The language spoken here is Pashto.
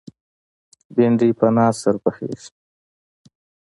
بېنډۍ په ناز سره پخېږي